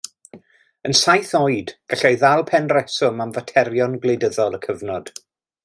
Yn saith oed, gallai ddal pen rheswm am faterion gwleidyddol y cyfnod.